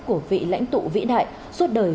của vị lãnh tụ vĩ đại suốt đời